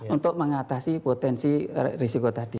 untuk mengatasi potensi risiko tadi